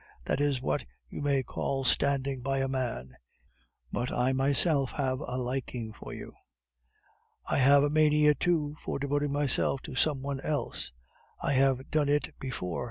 That is what you may call standing by a man; but I myself have a liking for you. I have a mania, too, for devoting myself to some one else. I have done it before.